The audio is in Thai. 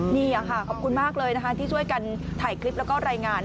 นี่ค่ะขอบคุณมากเลยนะคะที่ช่วยกันถ่ายคลิปแล้วก็รายงาน